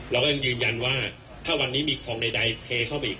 เราก็ยังยืนยันว่าถ้าวันนี้มีของใดเทเข้าไปอีก